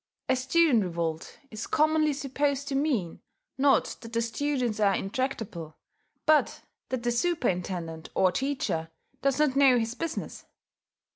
A student revolt is commonly supposed to mean, not that the students are intractable, but that the superintendent or teacher does not know his business.